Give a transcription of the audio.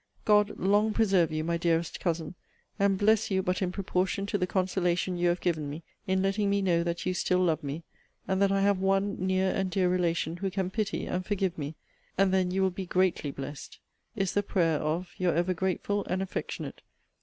God long preserve you, my dearest Cousin, and bless you but in proportion to the consolation you have given me, in letting me know that you still love me; and that I have one near and dear relation who can pity and forgive me; (and then you will be greatly blessed;) is the prayer of Your ever grateful and affectionate CL.